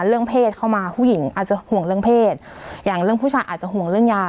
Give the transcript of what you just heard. เรื่องเพศเข้ามาผู้หญิงอาจจะห่วงเรื่องเพศอย่างเรื่องผู้ชายอาจจะห่วงเรื่องยา